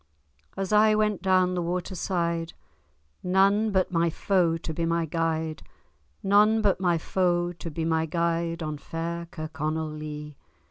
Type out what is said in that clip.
As I went down the water side, None but my foe to be my guide, None but my foe to be my guide, On fair Kirkconnell Lee!